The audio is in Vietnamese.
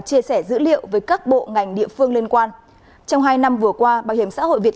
chia sẻ dữ liệu với các bộ ngành địa phương liên quan trong hai năm vừa qua bảo hiểm xã hội việt